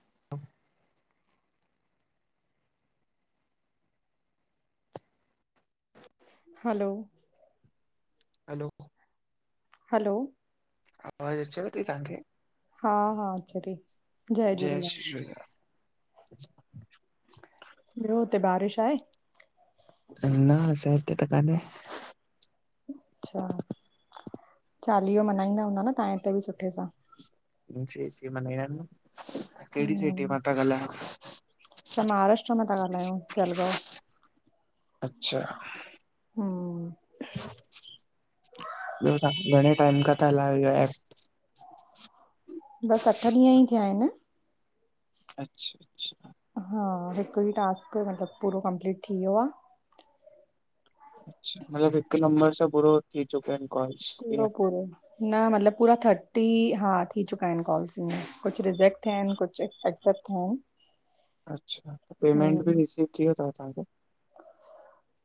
[inaudible] हलो hello hello आवाज अचेव ती तांखे? हा-हा अच जय झूलेलाल। [unintelligible] [inaudible] ॿयो हुते बारिश आहे? न असां हित्ते त काने। अच्छा चालीहो मनहाईंदा हूंदा न तव्हां हिते बि सुठे सां? [unintelligible] केड़ी सिटी हम मां ता ॻलायो? असां महाराष्ट्र मां था ॻाल्हायूं जलगांव। अच्छा हम ॿियो तां घणे टाइम खां था हलायो हे एप? बस अठ ॾींहं ई थिया आहिन। अच्छा अच्छा हा हिक ई टास्क मतलब पूरो कंप्लीट थी वियो आ। अच्छा मतलब हिक नंबर सां पूरो थी चुके आहिन कॉल? पूरो पूरे न मतलब पूरा थर्टी हा थी चुका आहिन कॉल्स में कुछ रिजेक्ट थिया आहिन कुछ एक्सेप्ट थिया आहिन। अच्छा पेमेंट बि रिसीव थी वयो थव तव्हांखे?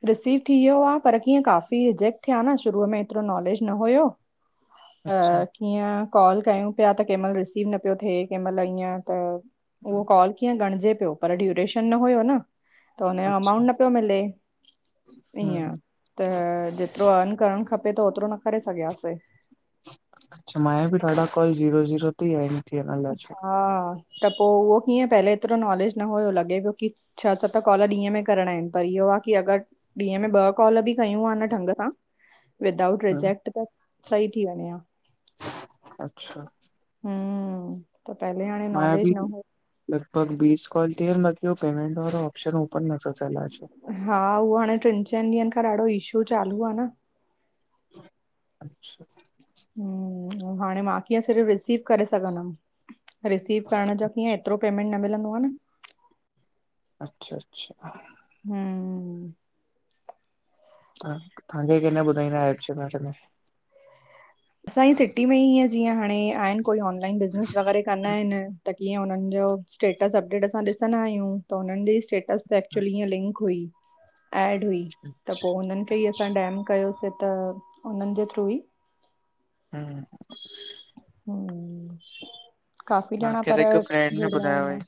रिसीव थी वियो आ, पर कीअं काफ़ी रिजेक्ट थिया न शुरूअ में एतिरो नॉलेज न हुयो। ह अच्छा कीअं कॉल कयूं पया त कंहिं मल रिसीव न पियो थिए कंहिं महिल ईअं त उहो कॉल कीअं गणजे पियो पर ड्यूरेशन न हुयो न त हुनजो अच्छा अमाउंट न पियो मिले। हम्म ईअं त जेतरो अरन करण खपे त ओतरो न करे सघियासीं। अच्छा माया बि ॾाढा कॉल ज़ीरो ज़ीरो थिया आहिन थिया हा त पो उहो कीअं पहले एतरो नॉलेज न हुयो लॻे पियो की छह सत कॉल ॾींहं में करणा आहिन पर इहो आहे की अगर ॾींहं में ॿ कॉल बि कयूं आ न ढंग सां विदाउट हम्म, रिजेक्ट त सही थी वञे ह अच्छा हम मांया बि लॻभॻ बीस कॉल थी बाक़ी हू पेमेंट वारो ऑप्शन ओपन नथ च हा उहो हाणे टिन चइन ॾींहंनि खां ॾाढो इशू चालू आ न अच्छा ह हाणे मां कीअं सिर्फ़ रिसीव करे सघंदम। रिसीव करण जो कीअं एतरो पेमेंट न मिलंदो आ न। अच्छा-अच्छा हम हा तव्हांखे के ॿुधाईंदा आहिय ब में असांजी सिटी में हअं जीअं हाणे आहिन कोई ऑनलाइन बिज़नस वग़ैरह कंदा आहिन त कीअं हुनन जो स्टेटस अपडेट असां ॾिसंदा आहियूं त हुनन जी स्टेटस ते एक्चुली ईअं लिंक हुई। एड हुई अच्छा त अच्छा पो हुनन खे ई असां डेम कयोसीं त हुनन जे थ्रू ई हम हम्म काफ़ी ॼणा माखे पर त हिकु फ्रेंड न ॿुधायो आहेई।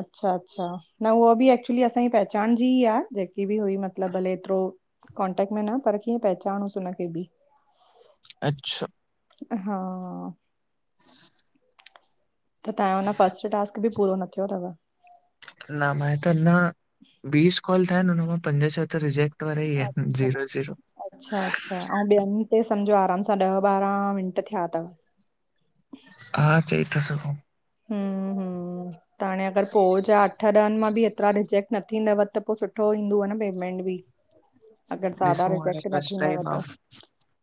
अच्छा-अच्छा न उहा बि एक्चुली असांजी पहचान जी ई आ जेकी बि हुई मतलब भले एतरो कॉन्टेक्ट में न, पर कीअं पहचानूसि हुन खे भी अच्छा हा त तवायो अना फस्ट टास्क बि पूरो न थियो थव? न मां त न, बीस कॉल थया आहिनि हुन मां पंज छह त रिजेक्ट [unintelligible] आहिन अच्छा, जीरो जीरो अच्छा अच्छा अउ ॿियनि ते सम्झो आराम सां ॾह ॿारहं मिंट थिया थव? हा चई था सघूं। हम्म हम्म त हाणे अगरि पो जा अठ ॾहनि मां बि एतिरा रिजेक्ट न थींदव त पो सुठो ईंदो आ न पेमेंट भी अगरि सादा ॾिसूं हाणे रिजेक्ट न फस्ट थींदव टाइम आ त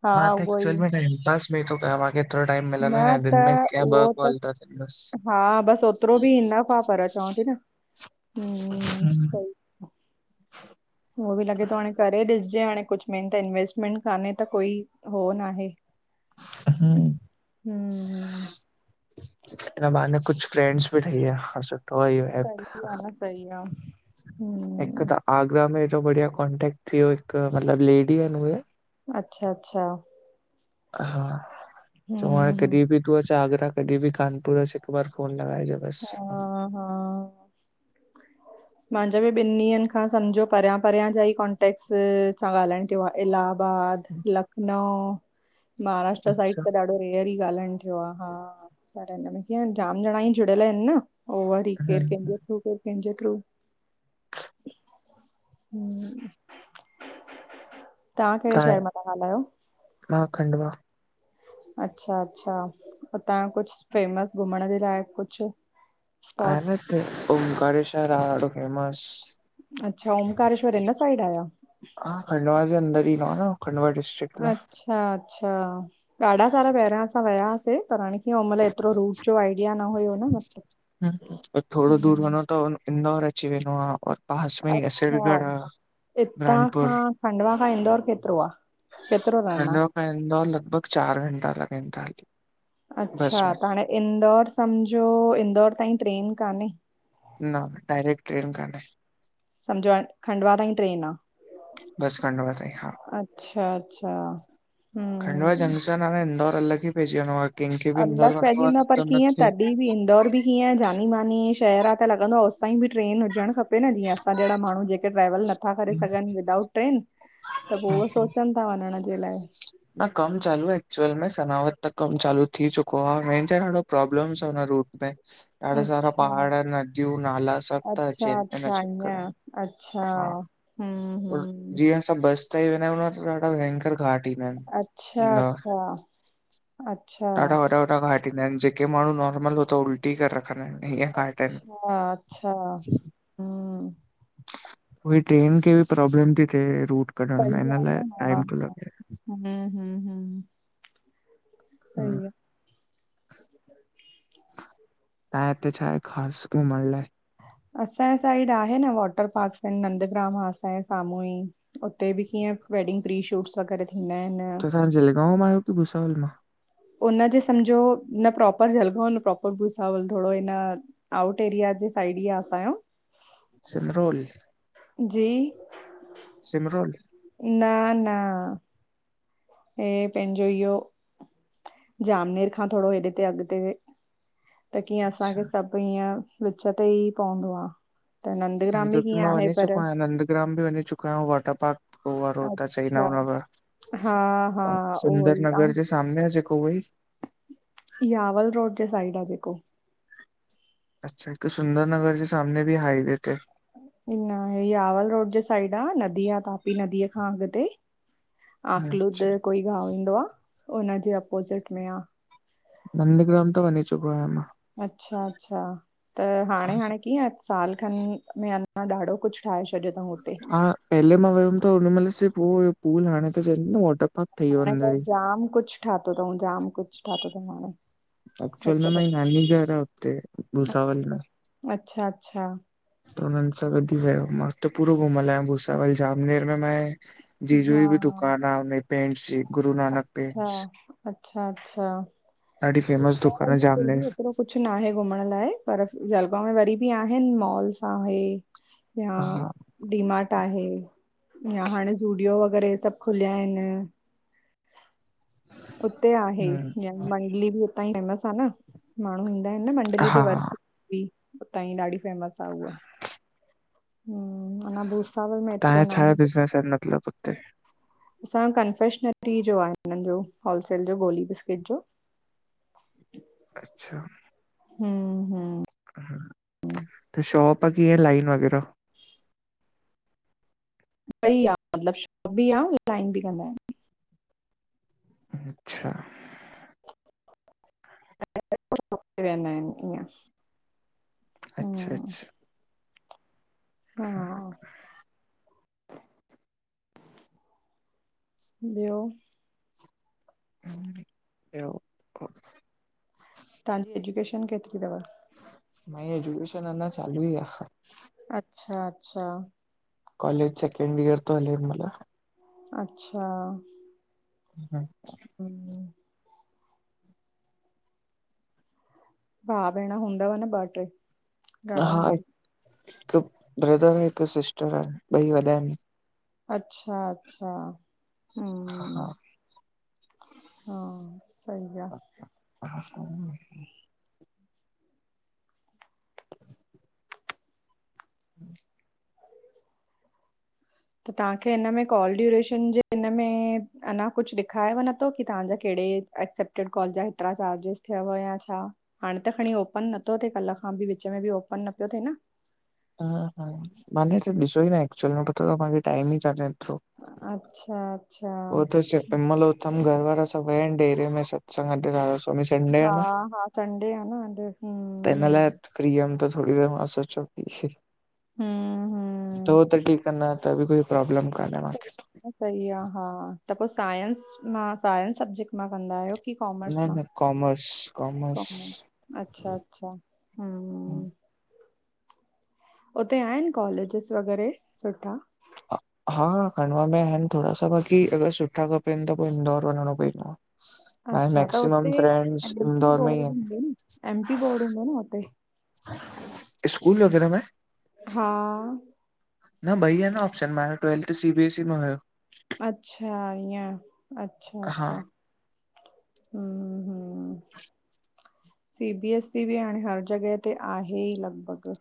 हा मां त उहो ई एक्चुअल में टाइम पास में थो कयां, माखें हेतरो टाइम न मिलंदो इ नाय त दिन में कि उहो ॿ त कॉल थियनि बसि हा बसि ओतिरो बि ईनफ आ, पर चव थी न, हम्म उहो बि लॻे थो हाणे करे ॾिसजे हाणे कुछ मेन त इंवेस्टमेंट कान्हे त कोई हो न आहे अहा हम्म हिन बहाने कुछ फ्रेंड्स बि ठही विया आहे इहो एप सही आ सही आ, हम्म हिकु त आगरा में एतरो बढिया कॉन्टेक्ट थी वियो, हिक मतलब लेडी आहिन उहे अच्छा अच्छा हा, चयउ हम्म हाणे हम्म कॾी बि तूं अचु आगरा कॾहिं बि कानपुर अची हिकु बार फोन लॻाइजा हा हा माजों बि ॿिनि ॾींहंनि खां सम्झो परियां परियां जा ई कॉन्टेक्ट्स सां ॻाल्हाइणु थियो आ, इलाहबाद लखनऊ महाराष्ट्र साइड अच्छा त ॾाढो रेयर ई ॻाल्हाइणु थियो आ हा, पर हिन में कीअ जाम ॼणा ई जुड़ियल आहिनि न, अउ वरी केर कहिंजें तव्हां थ्रू केर कहिंजें थ्रू तां कहिड़े शहर मां था ॻाल्हायो? मां खडंवा। अच्छा अच्छा, उतां कुछ फेमस घुमण जे लाई कुछ आहे न हिते ओमकारेश्वर आ हेॾो फेमस अच्छा ओमकारेश्वर इन साइड आहे या? हा खंडवा जे अंदर ईदों आ न, खंडवा डिस्ट्रिक्ट में। अच्छा अच्छा, ॾाढा सारा पहिरियां असां वया हुसीं पर हाणे इहो मतलब एतिरो रूट जो आइडिया न हुयो न मतलब थोरो दूर वञो त इंदौर अची वेंदो आ और पास में ई अच्छा असलगढ़ आ रानपुर खडंवा खां इंदौर केतिरो आ केतिरो रन आ? ईदौंर लॻभॻि चार घंटा लॻाइनि था बस अच्छा में। त हाणे इंदौर सम्झो इंदौर ताईं ट्रेन कान्हे? न डायरेक्ट ट्रेन कान्हे सम्झो खंडवा ताईं ट्रेन आ? बस खंडवा ताई हा अचछा अच्छा हम्म खंडवा जंक्शन हाणे इंदौर अलग ई पेजी वेदों आ अलग पइजी वेंदो आ, पर कीअं तभी भी इंदौर भी कीअं जानी मानी शहर आ त लॻंदो होसताईं भी ट्रेन हुजणु खपे खे न जीअं असां जहिड़ा माण्हू जेके ट्रेवल नथा करे सघन विदाउट ट्रन त पो उहो सोचन। मा वञण जे लाइ। न कम चालू एक्चुल में सनावत त कम चालू थी चुको आहे हेंचयो न। प्रोब्लमस अ न रुट त्तें। ॾाढा सारा अच्छा पहाड़ नदियूं नाला सभ थ च अच्छा न अच्छा चक्कर ईअं अच्छा हा। हम्म और हम्म जीअं असां बस ताई ई वेंदा आहियूं त ॾाढा भयंकर घाट ईंदा आहिन। अच्छा अच्छा। अच्छा ॾाढा वॾा वॾा घाट ईंदा आहिन जेके माण्हू नॉर्मल हु त उल्टी करे रखंदा आहिन। अच्छा अच्छा हं। उई ट्रेन खे बि प्रॉब्लम थी थिए रूट कढण में हिन लाइ टाइम तो लॻे। हं हं हं। सही आ। ब। तां हेते छा आहे खास घुमणलाए? असांजे साइड आहे न वॉटर पार्क्स अं नंदग्राम आ असांजे साम्हूं ई। उते बि कीअं वेडिंग प्री शूट्स वग़ैरह थींदा आहिन। तां जलगांव में आयो की भूसावाल् खां? उनजे सम्झो न प्रोपर जलगांव न प्रोपर भुसावल थोरो इन। आऊट एरया जे साइड ई आ असांयो। सिमरोल जी सिमरोल। न न। ऐं पंहिंजो इहो। जामनेर खां थोरो हेॾे ते अॻिते त कीअं अच्छा असांखे सभ। हीअं विच ते ई पवंदो आ त नंदग्राम बि कीअं आहे पर। ग्राम बि वञीचुकांऊ वटर पार्क। रोआ रो ता अच्छा चैनाव नगर हा हा उहो सुंदर ई ऐं नगर जे। सामने जेको वई। इहावल रोड जे साइड आहे जेको। अच्छा हिक सुंदर नगर जे सामने बि हाईवे ते। न इयावल रोड जे साइड आ नदी आ तापी नदीअ खां अॻिते। आकलूद अच्छा कोई गां ईंदो आ, हुनजे अपोज़िट में आ। नंदग्राम त वञी चुको आहियां मां। अच्छा अच्छा, त हाणे हाणे कीअं? साल खन में अञा ॾाढो कुछ ठाहे छॾियो तऊं हू। हा, पहेलें मां वयम् त हुन मल सिर्फ़ पूल हाणे त वॉटर पार्क। ठही वियो हाणे त अंदर ई जाम कुछ ठातो तऊ जाम कुछ ठातो तऊं हाणे। एक्चुअली, हिकदमि मां ई नानी घर आ हुते भुसावल में। अच्छा अच्छा। त हुनन सां गॾ मां त पूरो घुमल आहियां भुसावल, जामनेर में। हा जीजूई बि दुकान आ, उन्हेय पेंट सी। अच्छा अच्छा अच्छा ॾाढी फेमस दुकान आहे डेखाराइंदी फर जामनेर भी एत्रो। कुछ न आहे घुमण लाइ पर जलगांव में वरी बि आहिन मॉल्स आंहे। हा। डीमार्ट आहे, हाणे ईह्यो जूडियो वग़ैरह सभ खुलिया आहिन। उते आहे हम्म, मंडली बि उतां ई फेमस आह न माण्हू ईंदा आहिन एन मंडली ते हा वरसे। बि उतां ई ॾाढी फेमस आ उह। तव्हांजा न छा आहे बिज़नेस आहिन मतलब हुते? असांजो कंफेशनरी जो आहे हिननि जो, होलसेल जो गोली बिस्किट जो। अच्छा हम्म-हम्म त शॉप, की ईअं लाइन वग़ैरह? ॿई आह मतलब शॉप बि आ लाइन बि कंदा आहिनि। अच्छा [unintelligible] वेंदा आहिनि ईअं अच्छा हम्म -अच्छा हा ॿियो? ॿियो तव्हांजी एजुकेशन केतिरी तव? मांजी एजुकेशन अञा चालू ई आ। अच्छा -अच्छा। कॉलेज सेकंड इयर तो हले हिमल। अच्छा हम्म [inaudible] हम्म भा भेण हूंदव न ॿ, ट्रे? हा हिकु ब्रदर हिकु सिस्टर आहिन ॿई वॾा आहिनि। अच्छा अच्छा हम्म हा। हा, सही आ। [inaudible] [inaudible] त तव्हांखे हिन में कॉल ड्यूरेशन जे हिन में अञा कुछ ॾेखारेवञ नथो की तव्हांजा कहिड़े ऐक्सेप्टेड कॉल जा हेतिरा चार्जेसी थियव या छा? हाणे त खणी ओपन नथो थिए कल्ह खां बि विच में बि ओपन न पियो थिए न। हा हा माने त ॾिसो ही नाहे ऐक्चुल मे पतो तव माखे टाइम ही कान्हे ऐतिरो। अच्छा अच्छा हो त सिर्फ हिमल उथिम घर वारा सब विया आहिनि डेरे में सत्संग ते राधा स्वामी संडे आ हा न हा संडे आ न अॼु त हम्म हिन लाइ हम्म। फ्री हुअम त थोड़ी देर मां सोचो थियो हम्म हम्म त ठीक आ, न त बि कोई पॉब्लम कान्हे सही मांखे। आहे सही आहे हा त पो, सायंस मां सायंस सब्जेक्ट मां कंदा आहियो? कि कोमर्स न मां? न कॉमर्स कॉमर्स कोमर्स अच्छा अच्छा हम्म उते आहिनि कॉलेजिस वग़ैरह सुठा? [inaudible] हा हा खंडवा में आहिनि थोरा स बाक़ी अगर सुठा खपनि त पो इंदौर वञिणो पईंदो आ। आहिन अच्छा त मैक्सीमम हुते फ्रेंडस इंदौर में ही आहिनि। एमटी बोर्ड हूंदो न उते? स्कूल वग़ैरह में? हा न ॿई आहे न ऑप्शन मां यो ट्वेल्थ सी बीएस ई में हुयो। अच्छा ईअं, अच्छा हा -अच्छा, हम्म- हम्म [inaudible] सी बी एस सी बि हाणें हर जॻह ते आहेई लॻभॻि।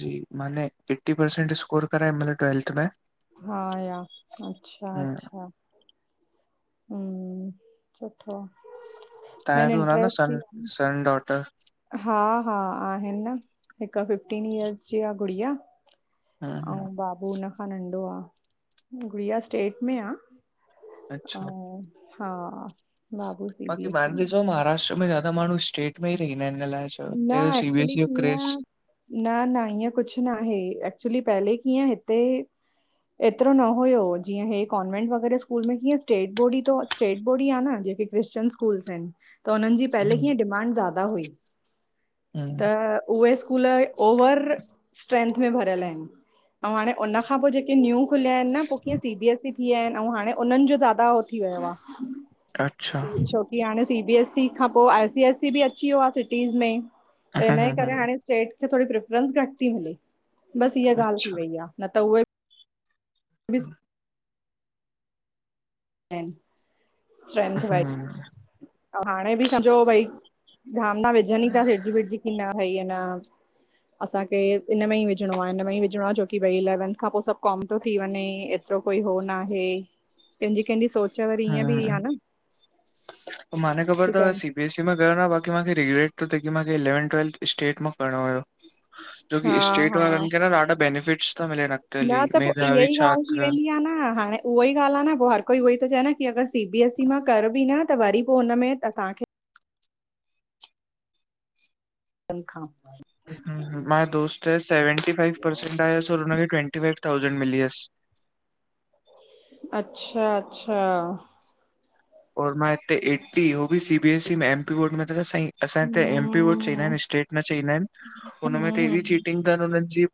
जी माने फिफ्टी परसेन्ट स्कोर करा हिनमल ट्वेल्थ में। हा या अच्छा हम्म -अच्छा हम्म, सुठो आ तव्हां मेन बि हूंदा न इंटरेस्ट ई सन क सन, डॉटर। हा हा आहिनि न हिक फिफ्टीन इयर्स जी आ गुड़िया हम्म हम्म अंउं बाबू हुन खां नंढो आ, गुड़िया स्टेट में आ अच्छा अंउं हा बाबू सी बी बाक़ी एस ई पांण में आहे। ॾिसो महाराष्ट्र में ज्यादा माण्हूं में ई रहंदा हिनि अलाए छो हिते जो न C B S actually C E जो क्रेज़ कीअं न न इअं कुछु ना हे, एक्चुली पहले कीअं हिते एतिरो न हुयो जीअं हे कॉ्वेंट वग़ैरह स्कूल में कीअं स्टेट बॉडी अथस स्टेट बोर्ड ही आ न जेके क्रिश्चन स्कूल् आहिनि, त उन्हनि जी पहले कीअं डिमांड ज़्यादा हुई। त उहे स्कूल ओवर स्ट्रेंथ में भरियल हिनि अंऊं हाणे हुनखां पो जेके न्यू खुलिया हिनि न पो कीअं सी बी एस सी थी विया हिनि अंउं हाणे उन्हनि जो ज़्यादा हो थी वयो आ अच्छा छोकी हाणे सी बी एस सी खां पो आई सी एस सी बि अची वियो आ सिटीज़ में। त हम्म इन्हजे करे हम्म, हाणे स्टेट खे थोड़ी प्रेफरेंस घटि ती हले बसि हीअ ॻाल्हि थी अच्छा वई आ। न त उहे बि स्ट्रेंथ वाइस हम्म हाणें बि सम्झो भई धाम न विझनि ई था सिड़जी विड्जी की न भई आ न असांखे इन में ई विझिणो आ इन में ई विझिणो आ, छोकी भई इलेवंथ खां पो सभु कॉम तो थी वंञे। तो कोई हो ना हे। केंजी- केंजी ह पो माने ख़बर की तव सी बी एसी में कयो न बाक़ी माखे रिग्रेट तो थे की माखे इलेवंथ ट्वेल्थ स्टेट मां करिणो हुयो। हा जोकी स्टेट हा वारनि खे न ॾाढा बेनिफिट्स ता मिलेनि न त पो इह्य ई ॻाल्हि थी वेंदी आ न हाणे उहो ई ॻाल्हि आ न पो हर कोई उहो ई तो चए न की अगरि सी बी एस ई मां कर बि न त वरी पो हुन में तहांखे तिन खां पोय हुं हुं, मांयें दोस्त या सेवेंटी फाइव परसेंट आयसि और हुनखे ट्वैेंटी फाइव थाउसेंड मिली यसि। अच्छा -अच्छा औ मां हिते एटी हो बि सी बी एस ई में, एम पी बोर्ड में त त साईं असांजे हिते एम पी वोट चईंदा हम्म हिनि स्टेट न चईंदा हिनि उन में त हम्म एॾी हम्म चीटिंग तनि हुननि जी।